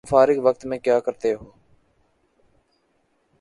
تم فارغ وقت میں کیاکرتےہو؟